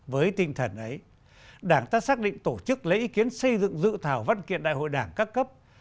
với tinh thần ấy đảng ta xác định tổ chức lấy ý kiến xây dựng dự thảo văn kiện đại hội đảng các cấp